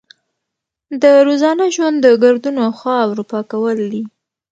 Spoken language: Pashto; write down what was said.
د روزانه ژوند د ګردونو او خاورو پاکول دي.